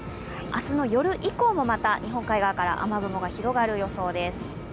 明日の夜以降もまた日本海側から雨雲が広がる予想です。